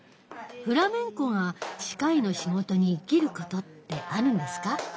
フラメンコが歯科医の仕事に生きることってあるんですか？